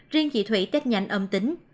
riêng chị thủy kết nhanh âm tính